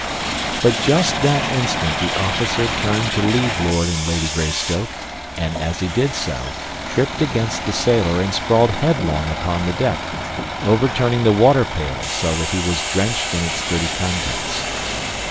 But just that instant the officer turned to leave Lord and Lady Greystoke, and, as he did so, tripped against the sailor and sprawled headlong upon the deck, overturning the water pail so that he was drenched in its dirty contents.